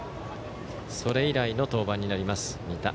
それ以来の登板になります、仁田。